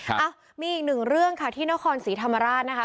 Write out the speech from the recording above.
อ้าวมีอีกหนึ่งเรื่องค่ะที่นครศรีธรรมราชนะคะ